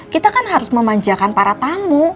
kita kan harus memanjakan para tamu